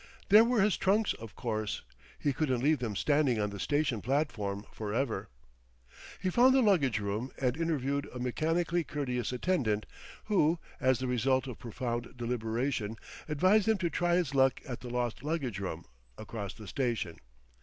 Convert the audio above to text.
There were his trunks, of course. He couldn't leave them standing on the station platform for ever. He found the luggage room and interviewed a mechanically courteous attendant, who, as the result of profound deliberation, advised him to try his luck at the lost luggage room, across the station.